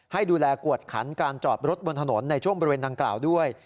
ให้ดูแลกวดขันการจอดรถบนถนนในช่วงบริเวณดังกล่าวด้วย